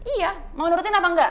iya mau nurutin apa enggak